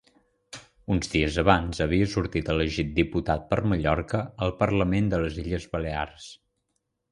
Uns dies abans havia sortit elegit diputat per Mallorca al Parlament de les Illes Balears.